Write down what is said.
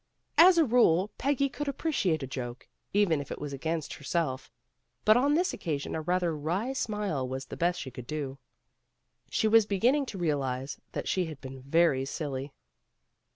As a rule Peggy could appreciate a joke, even if it was against herself, but on this occasion a rather wry smile was the best she could do. She was beginning to realize that she had been very silly.